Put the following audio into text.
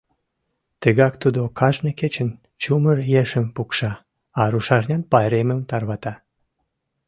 Тыгак тудо кажне кечын чумыр ешым пукша, а рушарнян пайремым тарвата.